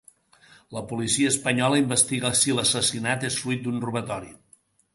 La policia espanyola investiga si l’assassinat és fruit d’un robatori.